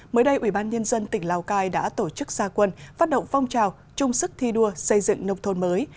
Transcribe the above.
mới đây ủy ban nhân dân tỉnh lào cai đã tổ chức gia quân phát động phong trào trung sức thi đua xây dựng nông thôn mới